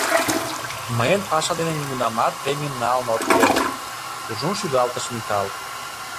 — Мыйын паша дене нигунамат премийым налын от керт, — кужун шӱлалтыш Микал.